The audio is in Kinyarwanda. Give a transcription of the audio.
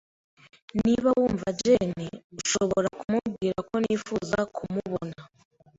Niba wumva Jenny, ushobora kumubwira ko nifuza kumubona?